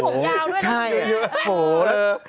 วันนี้ทำผมยาวด้วย